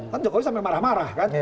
kan jokowi sampai marah marah kan